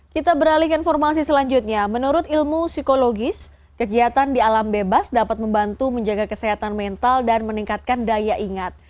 kita beralih ke informasi selanjutnya menurut ilmu psikologis kegiatan di alam bebas dapat membantu menjaga kesehatan mental dan meningkatkan daya ingat